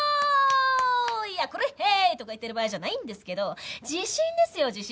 いや「くれヘイ！」とか言ってる場合じゃないんですけど地震ですよ地震。